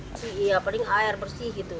paling air bersih gitu